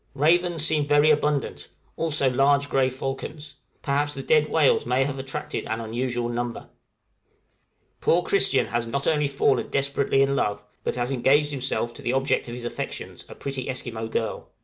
Ravens seem very abundant, also large grey falcons: perhaps the dead whales may have attracted an unusual number. {THE LOVES OF GREENLANDERS.} Poor Christian has not only fallen desperately in love, but has engaged himself to the object of his affections, a pretty Esquimaux girl.